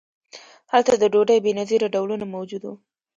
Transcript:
هلته د ډوډۍ بې نظیره ډولونه موجود وو.